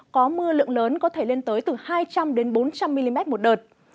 có mưa lượng lớn có thể lên tới từ hai trăm linh bốn trăm linh mm một đợt